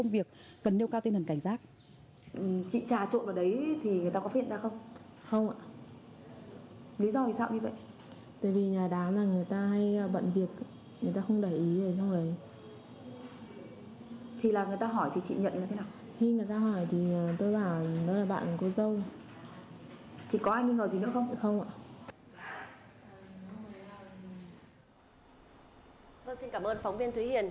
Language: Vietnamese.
vâng xin cảm ơn phóng viên thúy hiền